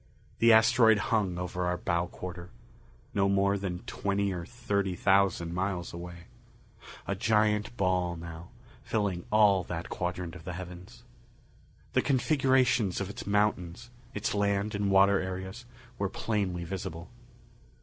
The asteroid hung over our bow quarter. No more than twenty or thirty thousand miles away. A giant ball now, filling all that quadrant of the heavens. The configurations of its mountains, its land and water areas, were plainly visible.